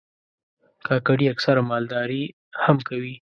کاکړي اکثره مالداري هم کوي.